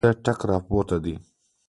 څه ټکه راپرېوته.